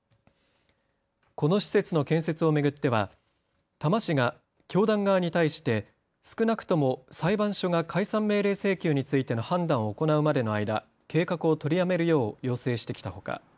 この施設の建設を巡っては多摩市が教団側に対して少なくとも裁判所が解散命令請求についての判断を行うまでの間、計画を取りやめるよう要請してきたほか